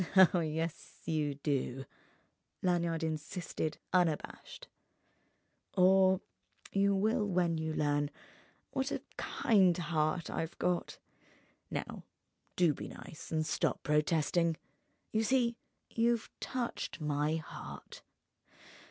"Oh, yes you do!" Lanyard insisted, unabashed—"or you will when you learn what a kind heart I've got. Now do be nice and stop protesting! You see, you've touched my heart.